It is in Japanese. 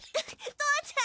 父ちゃん！